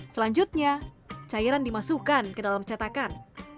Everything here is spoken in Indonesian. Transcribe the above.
selanjutnya cairan dimasukkan ke dalam cetakan